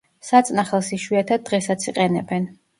საწნახელს იშვიათად დღესაც იყენებენ.